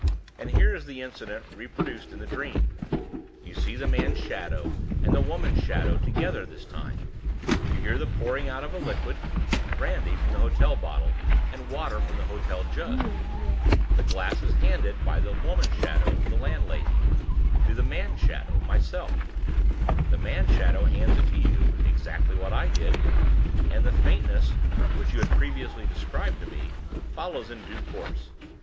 "And here is the incident reproduced in the dream. You see the man's shadow and the woman's shadow together this time. You hear the pouring out of liquid (brandy from the hotel bottle, and water from the hotel jug); the glass is handed by the woman shadow (the landlady) to the man shadow (myself); the man shadow hands it to you (exactly what I did); and the faintness (which you had previously described to me) follows in due course.